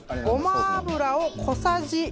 ごま油を小さじ２。